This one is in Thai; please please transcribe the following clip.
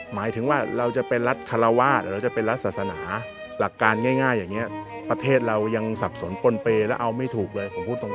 หมายถึงว่าเราจะเป็นรัฐคาราวาสหรือเราจะเป็นรัฐศาสนาหลักการง่ายอย่างนี้ประเทศเรายังสับสนปนเปย์แล้วเอาไม่ถูกเลยผมพูดตรง